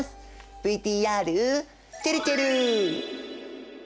ＶＴＲちぇるちぇる！